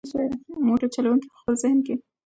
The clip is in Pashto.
موټر چلونکی په خپل ذهن کې د خپل کلي د کوڅو یادونه لټوي.